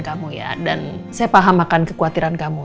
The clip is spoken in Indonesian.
kamu ya dan saya paham akan kekhawatiran kamu